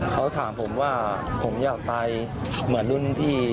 เขาถามผมว่าผมอยากตายเหมือนรุ่นพี่